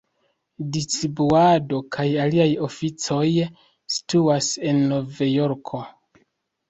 Distribuado kaj aliaj oficoj situas en Novjorko.